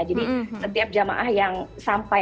jadi setiap jemaah yang sampai